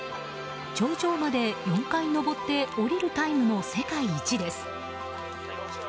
頂上まで４回登って降りるタイムの世界一です。